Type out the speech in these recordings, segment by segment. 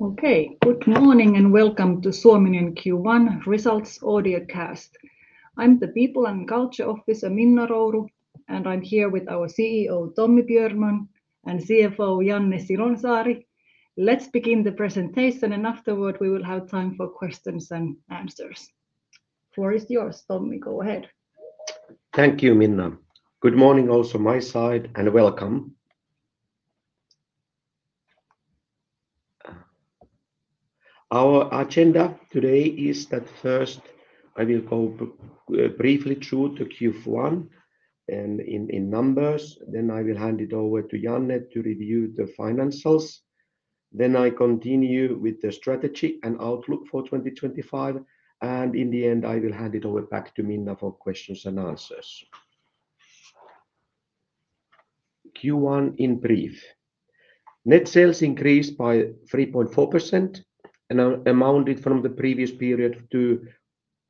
Okay, good morning and welcome to Suominen Q1 Results Audiocast. I'm the People and Culture Officer, Minna Rouru, and I'm here with our CEO, Tommi Björnman, and CFO, Janne Silonsaari. Let's begin the presentation, and afterward we will have time for questions and answers. Floor is yours, Tommi, go ahead. Thank you, Minna. Good morning also from my side, and welcome. Our agenda today is that first I will go briefly through the Q1 in numbers, then I will hand it over to Janne to review the financials, then I continue with the strategy and outlook for 2025, and in the end I will hand it over back to Minna for questions and answers. Q1 in brief. Net sales increased by 3.4% and amounted from the previous period to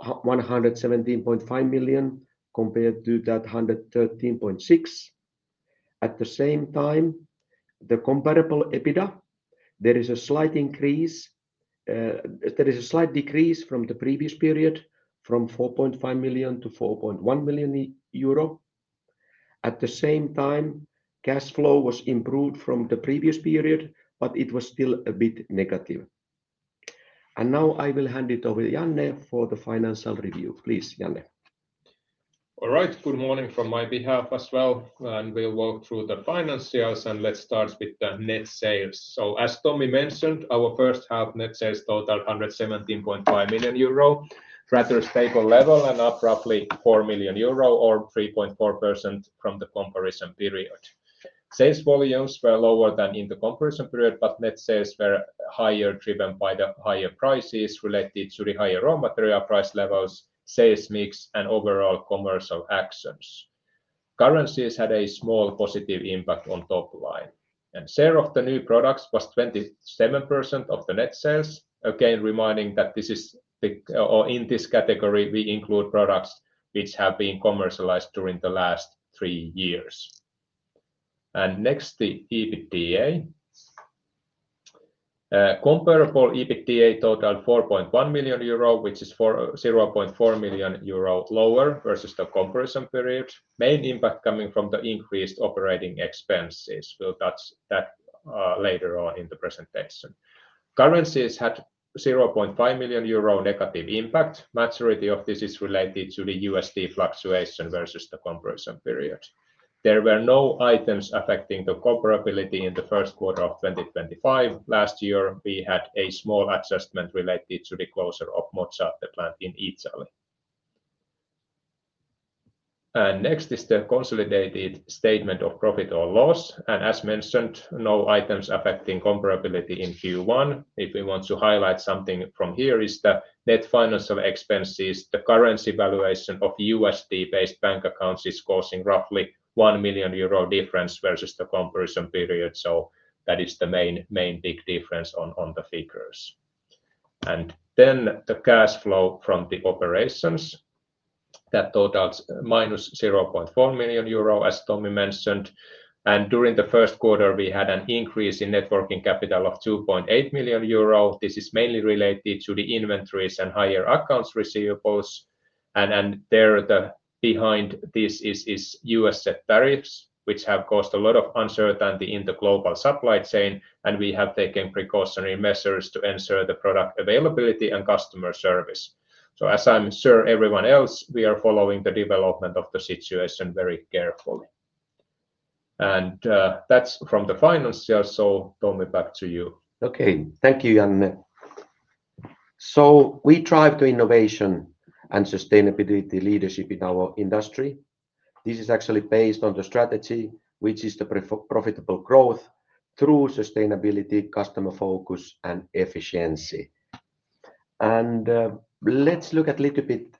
117.5 million compared to that 113.6 million. At the same time, the comparable EBITDA, there is a slight decrease from the previous period from 4.5 million to 4.1 million euro. At the same time, cash flow was improved from the previous period, but it was still a bit negative. Now I will hand it over to Janne for the financial review. Please, Janne. All right, good morning from my behalf as well, and we'll walk through the financials, and let's start with the net sales. As Tommi mentioned, our first half net sales total 117.5 million euro, rather stable level, and up roughly 4 million euro or 3.4% from the comparison period. Sales volumes were lower than in the comparison period, but net sales were higher driven by the higher prices related to the higher raw material price levels, sales mix, and overall commercial actions. Currencies had a small positive impact on top line. Share of the new products was 27% of the net sales, again reminding that this is in this category we include products which have been commercialized during the last three years. Next, the EBITDA. Comparable EBITDA total 4.1 million euro, which is 0.4 million euro lower versus the comparison period. Main impact coming from the increased operating expenses. We'll touch that later on in the presentation. Currencies had 0.5 million euro negative impact. Majority of this is related to the USD fluctuation versus the comparison period. There were no items affecting the comparability in the first quarter of 2025. Last year we had a small adjustment related to the closure of Mozzate plant in Italy. Next is the consolidated statement of profit or loss. As mentioned, no items affecting comparability in Q1. If we want to highlight something from here, it's the net financial expenses. The currency valuation of USD-based bank accounts is causing roughly 1 million euro difference versus the comparison period. That is the main big difference on the figures. The cash flow from the operations, that totaled -0.4 million euro, as Tommi mentioned. During the first quarter we had an increase in working capital of 2.8 million euro. This is mainly related to the inventories and higher accounts receivables. Behind this is US tariffs, which have caused a lot of uncertainty in the global supply chain, and we have taken precautionary measures to ensure the product availability and customer service. As I'm sure everyone else, we are following the development of the situation very carefully. That's from the financials. Tommi, back to you. Okay, thank you, Janne. We drive to innovation and sustainability leadership in our industry. This is actually based on the strategy, which is the profitable growth through sustainability, customer focus, and efficiency. Let's look at it a little bit.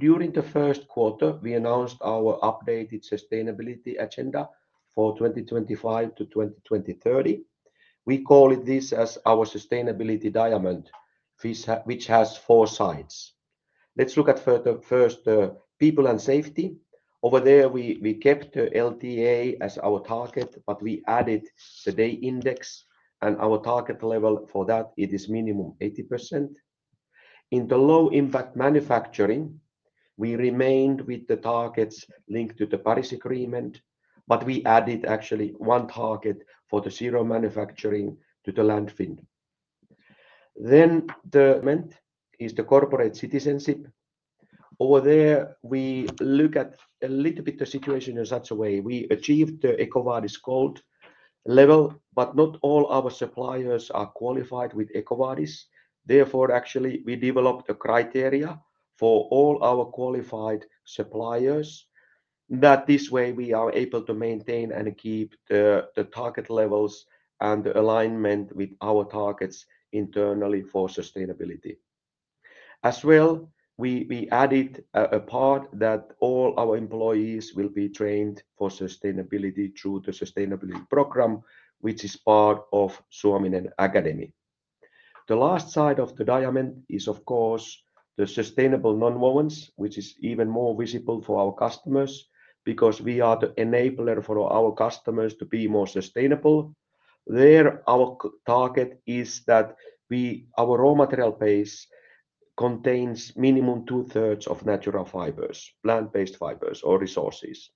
During the first quarter, we announced our updated sustainability agenda for 2025 to 2030. We call this our sustainability diamond, which has four sides. Let's look at first the people and safety. Over there, we kept LTA as our target, but we added the DART index, and our target level for that is minimum 80%. In the low-impact manufacturing, we remained with the targets linked to the Paris Agreement, but we added actually one target for the zero manufacturing to the landfill. Then the element is the corporate citizenship. Over there, we look at a little bit the situation in such a way. We achieved the EcoVadis Gold level, but not all our suppliers are qualified with EcoVadis. Therefore, actually, we developed a criteria for all our qualified suppliers, that this way we are able to maintain and keep the target levels and the alignment with our targets internally for sustainability. As well, we added a part that all our employees will be trained for sustainability through the sustainability program, which is part of Suominen Academy. The last side of the diamond is, of course, the sustainable nonwovens, which is even more visible for our customers because we are the enabler for our customers to be more sustainable. There, our target is that our raw material base contains minimum two-thirds of natural fibers, plant-based fibers or resources.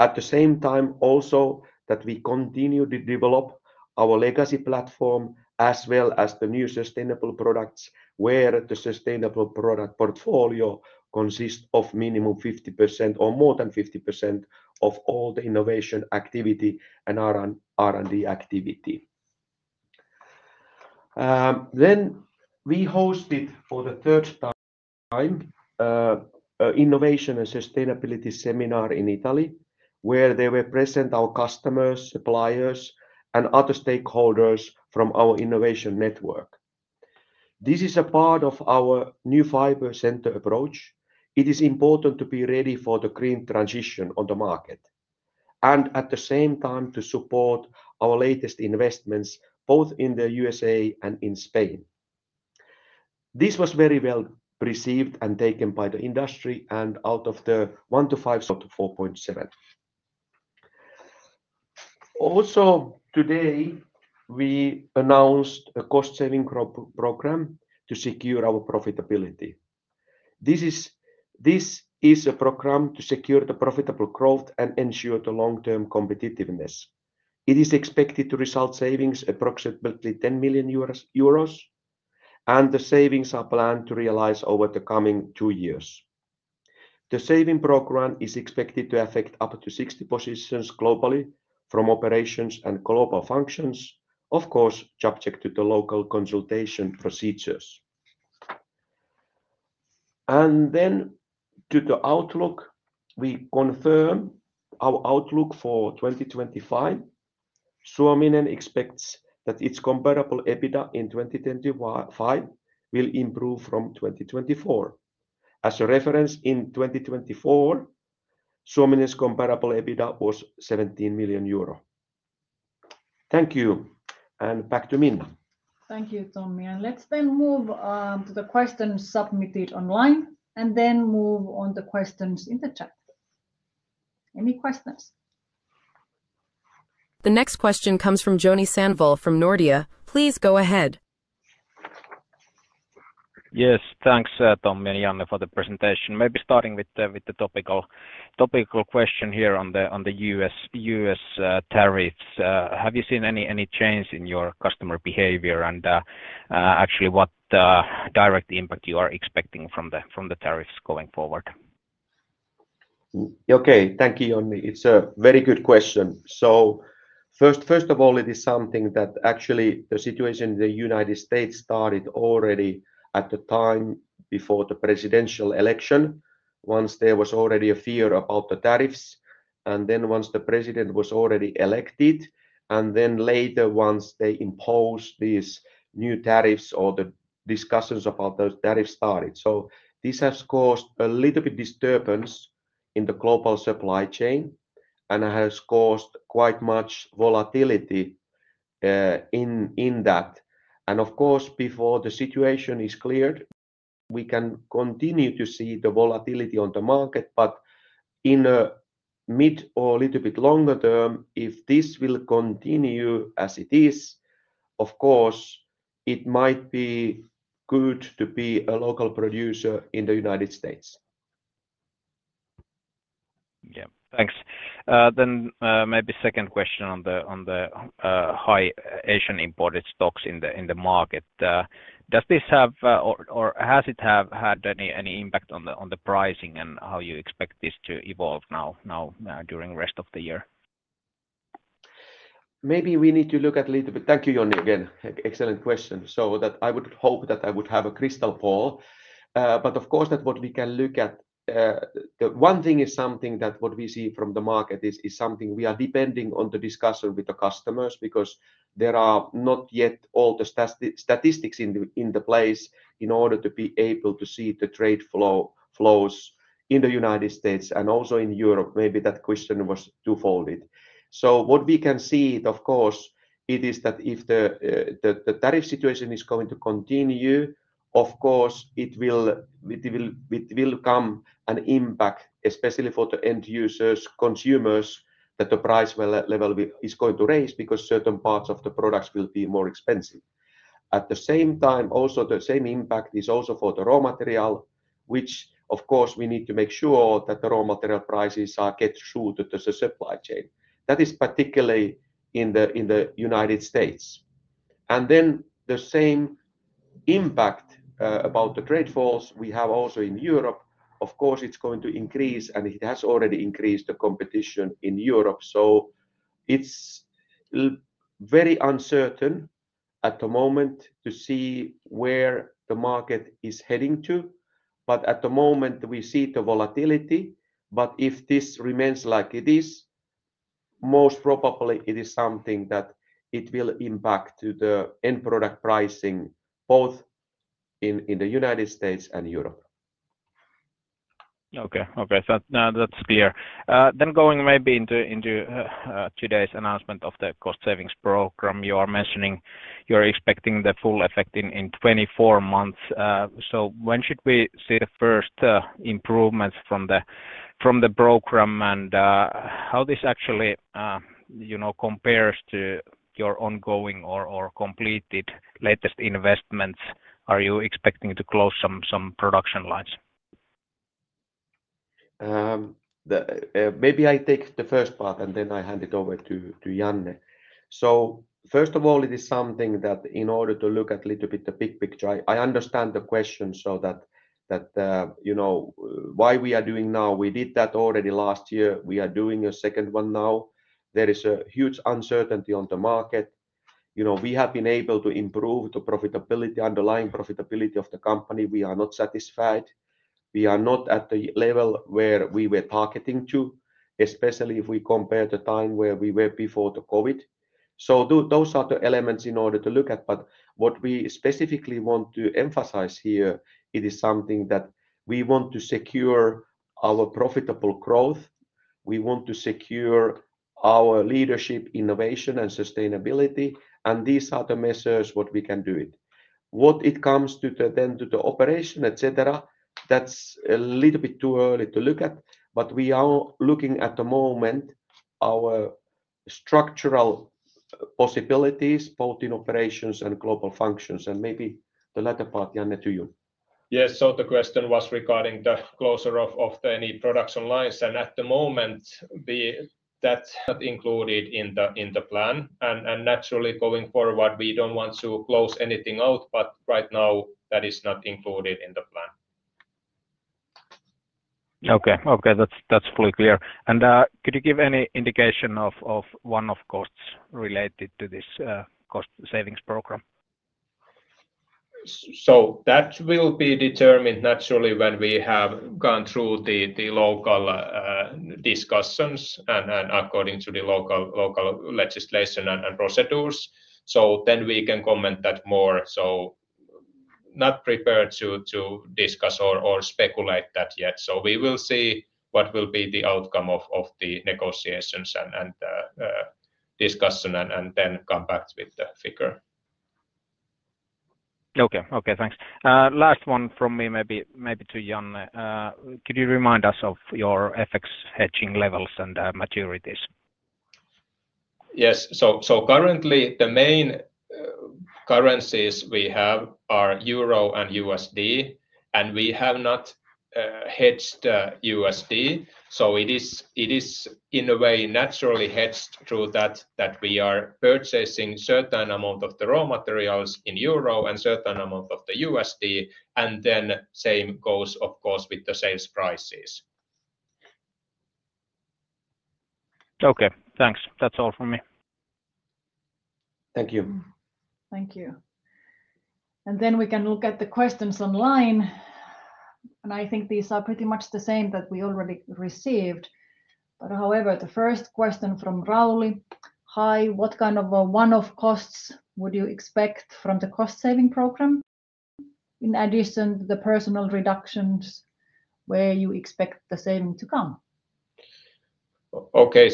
At the same time, also, that we continue to develop our legacy platform as well as the new sustainable products, where the sustainable product portfolio consists of minimum 50% or more than 50% of all the innovation activity and R&D activity. We hosted for the third time an innovation and sustainability seminar in Italy, where there were present our customers, suppliers, and other stakeholders from our innovation network. This is a part of our new fiber center approach. It is important to be ready for the green transition on the market and at the same time to support our latest investments both in the U.S.A. and in Spain. This was very well received and taken by the industry and out of the one to five. To 4.7. Also, today we announced a cost-saving program to secure our profitability. This is a program to secure the profitable growth and ensure the long-term competitiveness. It is expected to result in savings of approximately 10 million euros, and the savings are planned to realize over the coming two years. The saving program is expected to affect up to 60 positions globally from operations and global functions, of course, subject to the local consultation procedures. To the outlook, we confirm our outlook for 2025. Suominen expects that its comparable EBITDA in 2025 will improve from 2024. As a reference, in 2024, Suominen's comparable EBITDA was 17 million euro. Thank you, and back to Minna. Thank you, Tommi. Let's then move to the questions submitted online and then move on to questions in the chat. Any questions? The next question comes from Joni Sandvall from Nordea. Please go ahead. Yes, thanks, Tommi and Janne, for the presentation. Maybe starting with the topical question here on the U.S. tariffs. Have you seen any change in your customer behavior and actually what direct impact you are expecting from the tariffs going forward? Okay, thank you, Joni. It's a very good question. First of all, it is something that actually the situation in the United States started already at the time before the presidential election, once there was already a fear about the tariffs, and then once the president was already elected, and then later once they imposed these new tariffs or the discussions about those tariffs started. This has caused a little bit of disturbance in the global supply chain and has caused quite much volatility in that. Of course, before the situation is cleared, we can continue to see the volatility on the market, but in a mid or a little bit longer term, if this will continue as it is, it might be good to be a local producer in the United States. Yeah, thanks. Maybe second question on the high Asian imported stocks in the market. Does this have or has it had any impact on the pricing and how you expect this to evolve now during the rest of the year? Maybe we need to look at a little bit. Thank you, Joni, again. Excellent question. I would hope that I would have a crystal ball, but of course what we can look at, the one thing is something that what we see from the market is something we are depending on the discussion with the customers because there are not yet all the statistics in the place in order to be able to see the trade flows in the United States and also in Europe. Maybe that question was twofold. What we can see, of course, is that if the tariff situation is going to continue, of course, it will come an impact, especially for the end users, consumers, that the price level is going to raise because certain parts of the products will be more expensive. At the same time, also the same impact is also for the raw material, which of course we need to make sure that the raw material prices are kept true to the supply chain. That is particularly in the United States. The same impact about the trade flows we have also in Europe, of course, it's going to increase and it has already increased the competition in Europe. It is very uncertain at the moment to see where the market is heading to, but at the moment we see the volatility, but if this remains like it is, most probably it is something that it will impact the end product pricing both in the United States and Europe. Okay, okay, that's clear. Going maybe into today's announcement of the cost-saving program, you are mentioning you're expecting the full effect in 24 months. When should we see the first improvements from the program and how does this actually compare to your ongoing or completed latest investments? Are you expecting to close some production lines? Maybe I take the first part and then I hand it over to Janne. First of all, it is something that in order to look at a little bit the big picture, I understand the question so that why we are doing now, we did that already last year, we are doing a second one now. There is a huge uncertainty on the market. We have been able to improve the profitability, underlying profitability of the company. We are not satisfied. We are not at the level where we were targeting to, especially if we compare the time where we were before the COVID. Those are the elements in order to look at, but what we specifically want to emphasize here, it is something that we want to secure our profitable growth. We want to secure our leadership, innovation, and sustainability, and these are the measures what we can do it. What it comes to then to the operation, etc., that's a little bit too early to look at, but we are looking at the moment our structural possibilities, both in operations and global functions, and maybe the latter part, Janne, to you. Yes, so the question was regarding the closure of any production lines, and at the moment that is not included in the plan, and naturally going forward, we do not want to close anything out, but right now that is not included in the plan. Okay, okay, that is fully clear. Could you give any indication of one-off costs related to this cost-saving program? That will be determined naturally when we have gone through the local discussions and according to the local legislation and procedures. Then we can comment on that more. Not prepared to discuss or speculate on that yet. We will see what will be the outcome of the negotiations and discussion and then come back with the figure. Okay, okay, thanks. Last one from me, maybe to Janne. Could you remind us of your FX hedging levels and maturities? Yes, so currently the main currencies we have are euro and USD, and we have not hedged USD. It is in a way naturally hedged through that we are purchasing a certain amount of the raw materials in euro and a certain amount in USD, and then same goes, of course, with the sales prices. Okay, thanks. That's all from me. Thank you. Thank you. Then we can look at the questions online, and I think these are pretty much the same that we already received. However, the first question from Rauli. Hi, what kind of one-off costs would you expect from the cost-saving program? In addition to the personnel reductions, where do you expect the saving to come? Okay,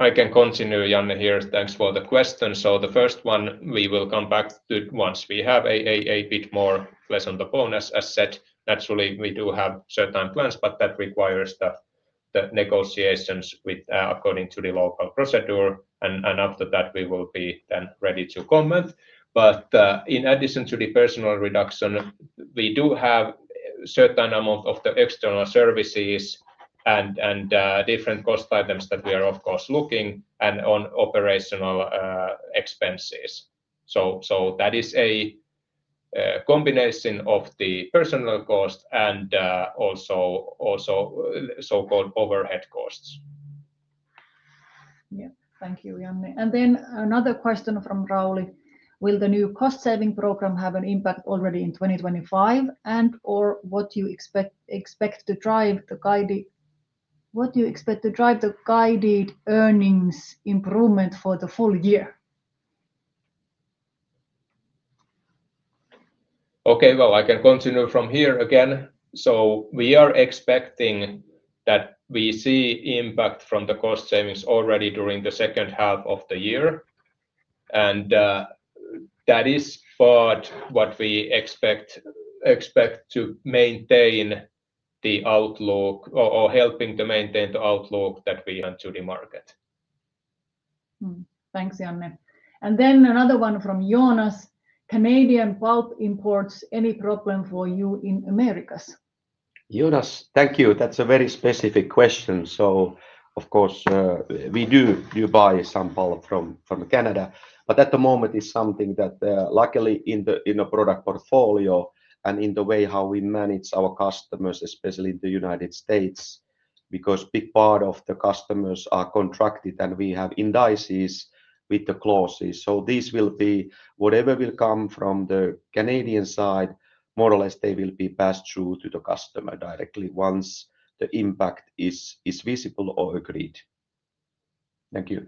I can continue, Janne here. Thanks for the question. The first one, we will come back to it once we have a bit more, less on the bonus. As said, naturally we do have certain plans, but that requires the negotiations according to the local procedure, and after that, we will be then ready to comment. In addition to the personnel reduction, we do have a certain amount of the external services and different cost items that we are, of course, looking at on operational expenses. That is a combination of the personnel cost and also so-called overhead costs. Yeah, thank you, Janne. Another question from Rauli. Will the new cost-saving program have an impact already in 2025 and/or what do you expect to drive the guided earnings improvement for the full year? Okay, I can continue from here again. We are expecting that we see impact from the cost savings already during the second half of the year, and that is part of what we expect to maintain the outlook or helping to maintain the outlook that we have to the market. Thanks, Janne. Another one from Jonas. Canadian pulp imports, any problem for you in the Americas? Jonas, thank you. That's a very specific question. Of course, we do buy some pulp from Canada, but at the moment it's something that luckily in the product portfolio and in the way how we manage our customers, especially in the United States, because a big part of the customers are contracted and we have indices with the clauses. This will be whatever will come from the Canadian side, more or less they will be passed through to the customer directly once the impact is visible or agreed. Thank you.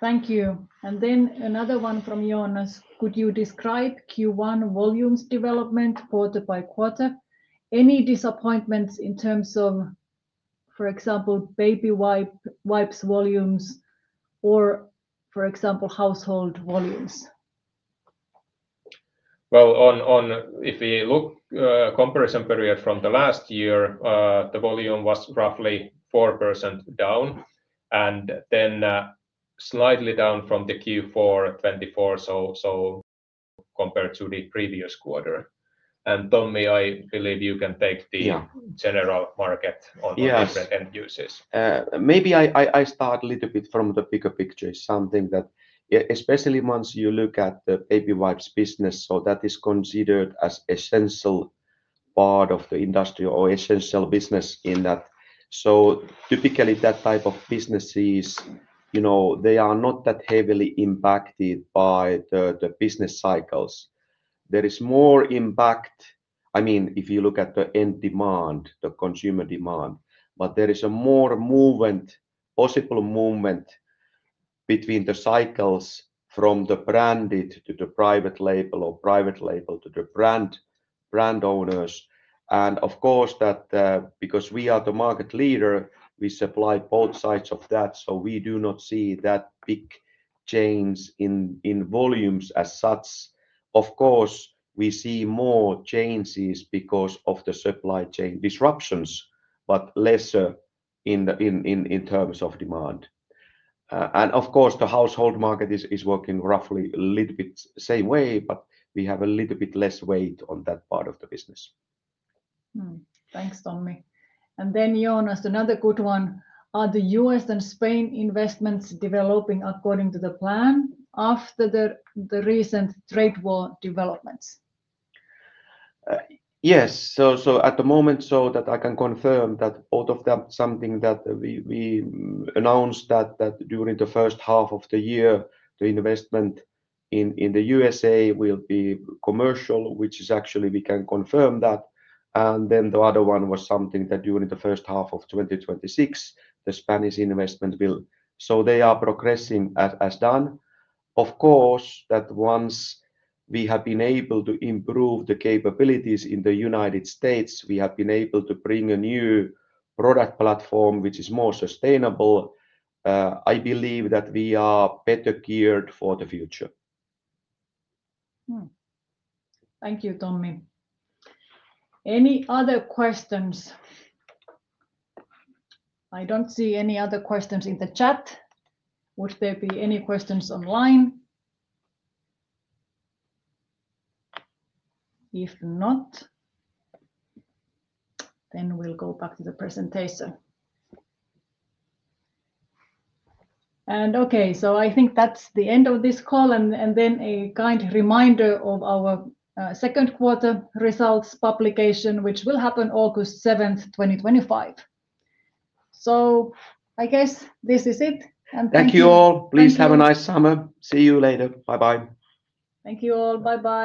Thank you. Another one from Jonas. Could you describe Q1 volumes development quarter by quarter? Any disappointments in terms of, for example, baby wipes volumes or, for example, household volumes? If we look at the comparison period from the last year, the volume was roughly 4% down and then slightly down from Q4 2024, so compared to the previous quarter. Tommi, I believe you can take the general market on the different end uses. Maybe I start a little bit from the bigger picture. It's something that, especially once you look at the baby wipes business, that is considered as an essential part of the industry or essential business in that. Typically that type of businesses, they are not that heavily impacted by the business cycles. There is more impact, I mean, if you look at the end demand, the consumer demand, but there is a more movement, possible movement between the cycles from the branded to the private label or private label to the brand owners. Of course, because we are the market leader, we supply both sides of that, so we do not see that big change in volumes as such. Of course, we see more changes because of the supply chain disruptions, but lesser in terms of demand. The household market is working roughly a little bit the same way, but we have a little bit less weight on that part of the business. Thanks, Tommi. Then Jonas, another good one. Are the U.S. and Spain investments developing according to the plan after the recent trade war developments? Yes, at the moment, I can confirm that both of them, something that we announced that during the first half of the year, the investment in the U.S.A. will be commercial, which is actually we can confirm that. The other one was something that during the first half of 2026, the Spanish investment will, so they are progressing as done. Of course, once we have been able to improve the capabilities in the United States, we have been able to bring a new product platform, which is more sustainable, I believe that we are better geared for the future. Thank you, Tommi. Any other questions? I do not see any other questions in the chat. Would there be any questions online? If not, then we will go back to the presentation. Okay, I think that is the end of this call and a kind reminder of our second quarter results publication, which will happen August 7, 2025. I guess this is it. Thank you all. Please have a nice summer. See you later. Bye-bye. Thank you all. Bye-bye.